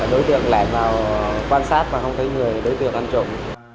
đối tượng lại vào quan sát và không thấy người đối tượng ăn trộm